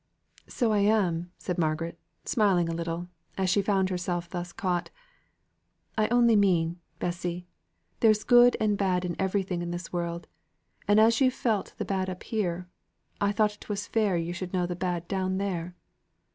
"So I am," said Margaret, smiling a little, as she found herself thus caught. "I only mean, Bessy, there's good and bad in everything in this world; and as you felt the bad up here, I thought it was but fair you should know the bad down there."